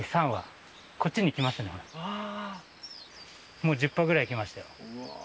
もう１０羽ぐらい来ましたよ